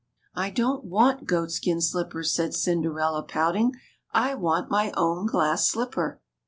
^^I don't want goatskin slij)pers," said Cinderella, pouting; ^Ll want my own glass slipper."